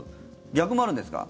逆もあるんですか？